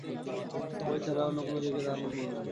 বই ছাড়া অন্য কোন দিকে তাঁহার মন নাই।